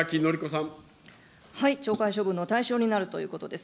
懲戒処分の対象になるということです。